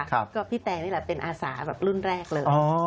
ก็พี่แตงนี่แหละเป็นอาสาแบบรุ่นแรกเลย